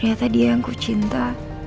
ternyata dia yang kucinta